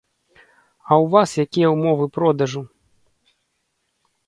А ў вас якія ўмовы продажу?